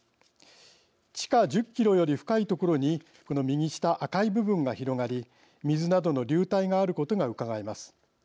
地下１０キロより深い所にこの右下、赤い部分が広がり水などの流体があることがうかがえます。